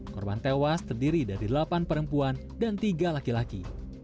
korban tewas terdiri dari delapan perempuan dan tiga laki laki